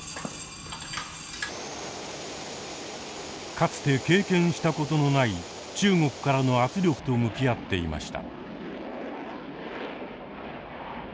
かつて経験したことのない中国からの圧力と向き合っていました。